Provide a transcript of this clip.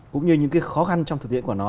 cũng như những cái khó khăn trong thực tiễn của nó